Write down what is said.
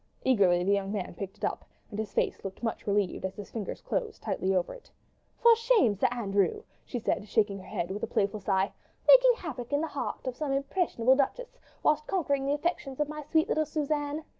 Eagerly the young man picked it up, and his face looked much relieved, as his fingers closed tightly over it. "For shame, Sir Andrew," she said, shaking her head with a playful sigh, "making havoc in the heart of some impressionable duchess, whilst conquering the affections of my sweet little Suzanne.